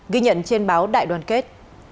ghi nhận trên báo đại đoàn kết